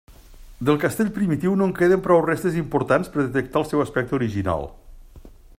Del castell primitiu no en queden prou restes importants per detectar el seu aspecte original.